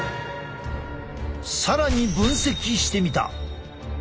更に分析してみた。